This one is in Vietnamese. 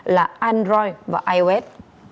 là android và ios